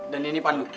dan ini pandu